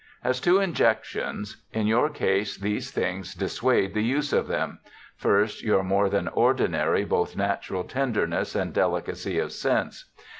As to injections, in your case these things dissuade the use of them — First, your more than ordinary bothe naturall tenderness and deli cacy of sense.